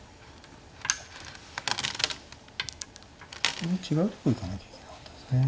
ここで違うとこにいかなきゃいけなかったんですね。